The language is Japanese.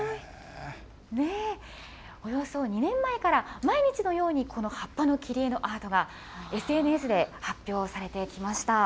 およそ２年前から毎日のように、この葉っぱの切り絵のアートがＳＮＳで発表されてきました。